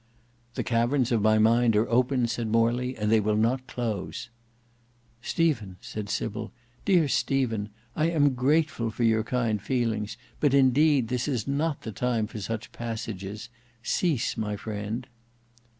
"The caverns of my mind are open," said Morley, "and they will not close." "Stephen," said Sybil, "dear Stephen, I am grateful for your kind feelings: but indeed this is not the time for such passages: cease, my friend!"